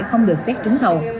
không được xét trúng thầu